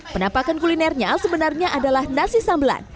penampakan kulinernya sebenarnya adalah nasi sambelan